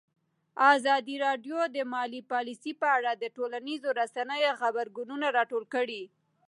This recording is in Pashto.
ازادي راډیو د مالي پالیسي په اړه د ټولنیزو رسنیو غبرګونونه راټول کړي.